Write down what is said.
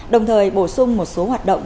đồng thời bổ sung một số hoạt động